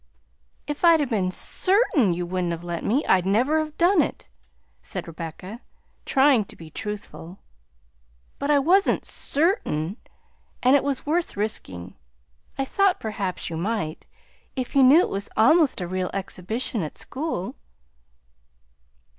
"If I'd been CERTAIN you wouldn't have let me I'd never have done it," said Rebecca, trying to be truthful; "but I wasn't CERTAIN, and it was worth risking. I thought perhaps you might, if you knew it was almost a real exhibition at school."